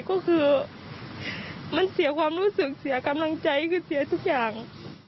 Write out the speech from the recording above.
ก็คือมันเสียความรู้สึกเสียกำลังใจคือเสียทุกอย่าง